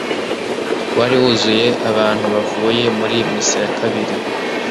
wari wuzuye abantu bavuye muri misa ya kabiri.